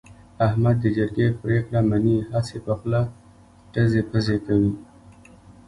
احمد د جرگې پرېکړه مني، هسې په خوله ټزې پزې کوي.